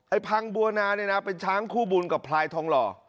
พังบัวนาเนี่ยนะเป็นช้างคู่บุญกับพลายทองหล่อ